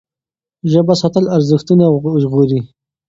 ژبه ساتل ارزښتونه ژغوري.